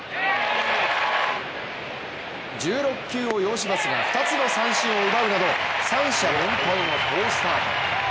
１６球を要しますが２つの三振を奪うなど三者凡退の好スタート。